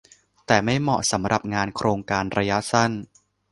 แต่ไม่เหมาะสำหรับงานโครงการระยะสั้น